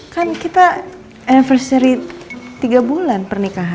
kan kita aniversary tiga bulan pernikahan